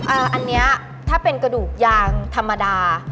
อันนี้ถ้าเป็นกระดูกยางธรรมดา